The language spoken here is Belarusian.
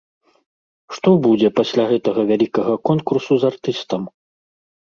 Што будзе пасля гэтага вялікага конкурсу з артыстам?